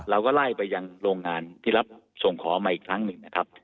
เราก็ไล่ไปยังโรงงานที่รับส่งของมาอีกครั้งหนึ่งนะครับ